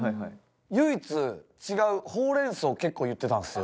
唯一違うホウレンソウを結構言ってたんですよ。